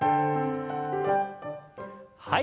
はい。